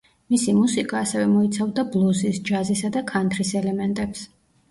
მისი მუსიკა, ასევე მოიცავდა ბლუზის, ჯაზისა და ქანთრის ელემენტებს.